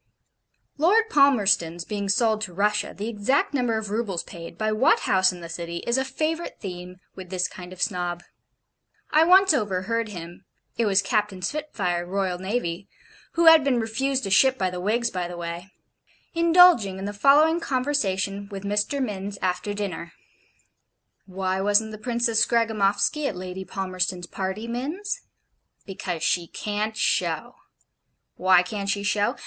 Lord Palmerston's being sold to Russia, the exact number of roubles paid, by what house in the City, is a favourite theme with this kind of Snob. I once overheard him it was Captain Spitfire, R.N., (who had been refused a ship by the Whigs, by the way) indulging in the following conversation with Mr. Minns after dinner. Why wasn't the Princess Scragamoffsky at Lady Palmerston's party, Minns? Because SHE CAN'T SHOW why can't she show?